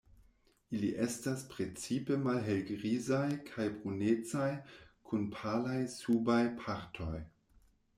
Ili estas precipe malhelgrizaj kaj brunecaj, kun palaj subaj partoj.